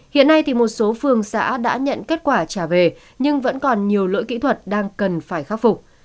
hiện nay một số phường xã đã nhận kết quả trả về nhưng vẫn còn nhiều lỗi kỹ thuật đang cần phải khắc phục